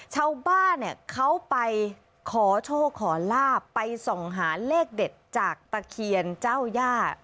ชาวบ้านเนี่ยเขาไปขอโชคขอลาบไปส่องหาเลขเด็ดจากตะเคียนเจ้าย่า